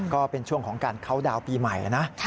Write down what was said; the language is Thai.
ก็เป็นช่วงของการเข้าดาวน์ปีใหม่นะ